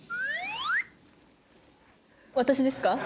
私ですか？